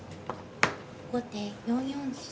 後手４四飛車。